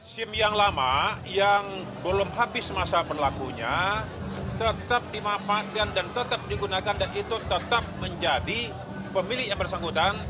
sim yang lama yang belum habis masa berlakunya tetap dimanfaatkan dan tetap digunakan dan itu tetap menjadi pemilik yang bersangkutan